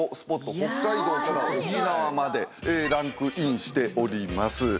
北海道から沖縄までランクインしております。